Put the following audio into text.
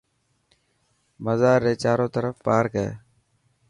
مزار ري چارو ترف پارڪ هي.